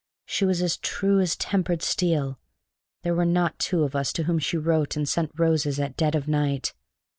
She was as true as tempered steel; there were not two of us to whom she wrote and sent roses at dead of night.